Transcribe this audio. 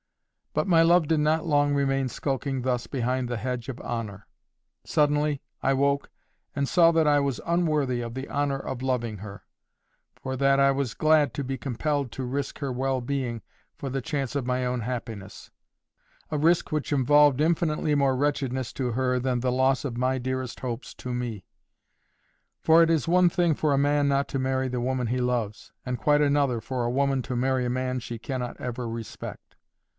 But my love did not long remain skulking thus behind the hedge of honour. Suddenly I woke and saw that I was unworthy of the honour of loving her, for that I was glad to be compelled to risk her well being for the chance of my own happiness; a risk which involved infinitely more wretchedness to her than the loss of my dearest hopes to me; for it is one thing for a man not to marry the woman he loves, and quite another for a woman to marry a man she cannot ever respect.